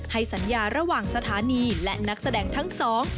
สัญญาระหว่างสถานีและนักแสดงทั้งสอง